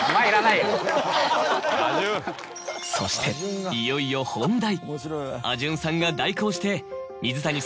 そしていよいよ本題。